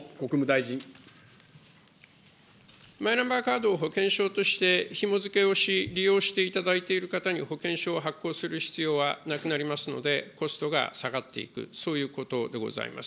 マイナンバーカードを保険証としてひも付けをし、利用していただいている方に保険証を発行する必要はなくなりますので、コストが下がっていく、そういうことでございます。